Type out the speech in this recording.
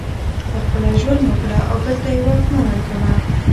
پخپله ژوند وکړه او بل ته یې واک مه ورکوه